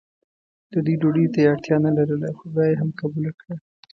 د دوی ډوډۍ ته یې اړتیا نه لرله خو بیا یې هم قبوله کړه.